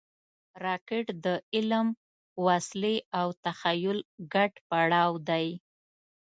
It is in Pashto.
راکټ د علم، وسلې او تخیل ګډ پړاو دی